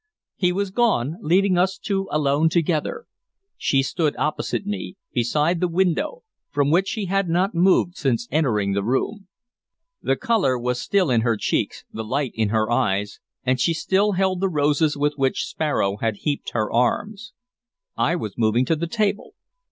He was gone, leaving us two alone together. She stood opposite me, beside the window, from which she had not moved since entering the room. The color was still in her cheeks, the light in her eyes, and she still held the roses with which Sparrow had heaped her arms. I was moving to the table.